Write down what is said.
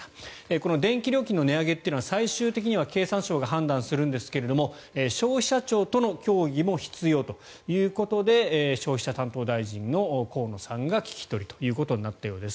この電気料金の値上げというのは最終的には経産省が判断するんですが消費者庁との協議も必要ということで消費者担当大臣の河野さんが聞き取りとなったようです。